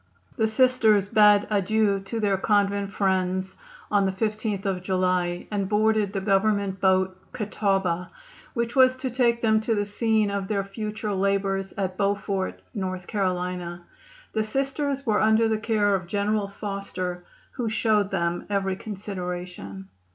The Sisters bade adieu to their convent friends on the 15th of July, and boarded the Government boat Catawaba, which was to take them to the scene of their future labors at Beaufort, N. C. The Sisters were under the care of General Foster, who showed them every consideration.